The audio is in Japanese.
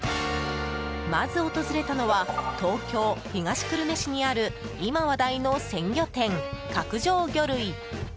まず訪れたのは東京・東久留米市にある今、話題の鮮魚店、角上魚類。